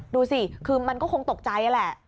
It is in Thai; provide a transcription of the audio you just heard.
ดูสิคือมันก็คงตกใจแหละ